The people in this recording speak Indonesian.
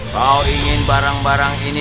kau ingin barang barang ini